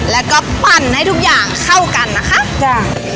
แล้วก็ปั่นให้ทุกอย่างเข้ากันนะคะจ้ะ